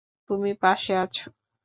তুমি পাশে আছ।